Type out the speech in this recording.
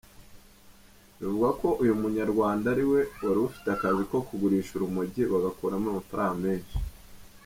Bivugwa ko uyu Munyarwanda ariwe wari ufite akazi ko kugurisha urumogi bagakuramo amafaranga menshi.